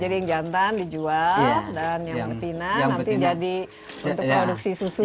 jadi yang jantan dijual dan yang betina nanti jadi produksi susunya